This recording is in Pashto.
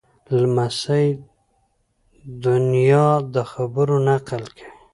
لمسی د نیا د خبرو نقل کوي.